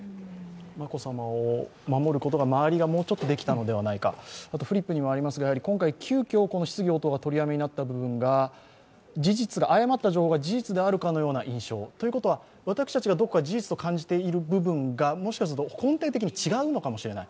眞子さまを守ることが周りがもうちょっとできたのではないかあとフリップにありますが、今回急きょ質疑応答が取りやめになった部分が誤った情報が事実であるかの印象、私たちはどこか事実と感じている部分がもしかしたら根底が違うのかもしれない。